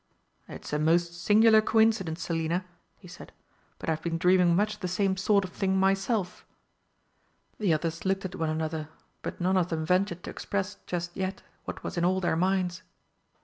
"It's a most singular coincidence, Selina," he said, "but I've been dreaming much the same sort of thing myself!" The others looked at one another, but none of them ventured to express just yet what was in all their minds.